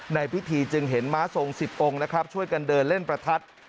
ในพิธีจึงเห็นม้าทรง๑๐องค์นะครับช่วยกันเดินเล่นประทัด